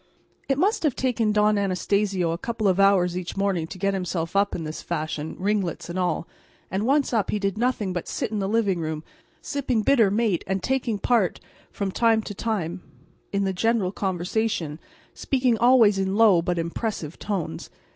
It must have taken Don Anastacio a couple of hours each morning to get himself up in this fashion, ringlets and all, and once up he did nothing but sit in the living room, sipping bitter mate and taking part from time to time in the general conversation, speaking always in low but impressive tones.